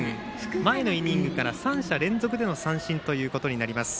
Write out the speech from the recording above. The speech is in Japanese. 前のイニングから３者連続での三振ということになります。